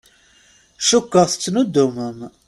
Cukkeɣ tettnuddumem.